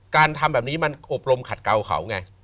การทำแบบนี้มันอบรมขัดเกาเขาไง